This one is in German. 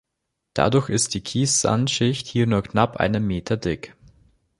Dadurch ist die Kies-Sand-Schicht hier nur knapp einen Meter dick.